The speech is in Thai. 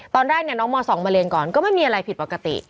ตอนแรกน้องม๒มาเรียนก่อนก็ไม่มีอะไรผิดปกติ